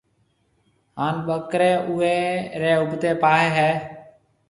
هانَ ٻڪري اوي ري اُوڀتي پاهيَ هيَ۔